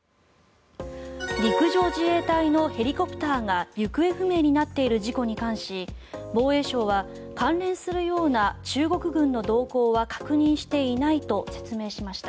陸上自衛隊のヘリコプターが行方不明になっている事故に関し防衛省は関連するような中国軍の動向は確認していないと説明しました。